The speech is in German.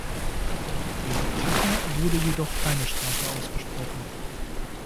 Gegen Tucker wurde jedoch keine Strafe ausgesprochen.